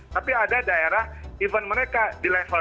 tapi ada daerah even mereka di level tiga